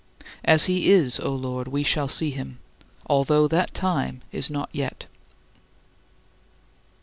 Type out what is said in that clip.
" As he is, O Lord, we shall see him although that time is not yet.